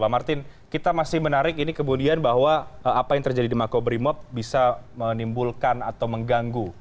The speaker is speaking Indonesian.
pak martin kita masih menarik ini kemudian bahwa apa yang terjadi di makobrimob bisa menimbulkan atau mengganggu